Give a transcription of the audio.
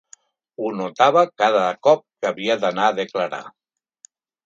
Ho notava cada cop que havia d’anar a declarar.